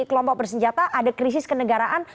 kelompok bersenjata ada krisis kenegaraan